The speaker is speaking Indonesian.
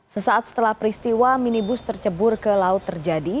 sesaat setelah peristiwa minibus tercebur ke laut terjadi